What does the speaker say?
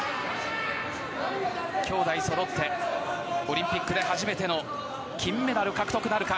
兄妹そろってオリンピックで初めての金メダル獲得なるか。